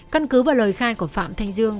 căn cứ và lời khai của phạm thanh dương